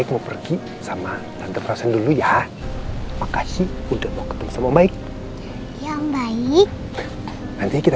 mau pergi sama tante perasaan dulu ya makasih udah mau ketemu sama baik yang baik nanti kita